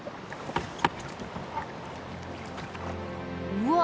うわ！